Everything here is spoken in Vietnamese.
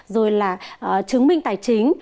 rồi là chứng minh tài chính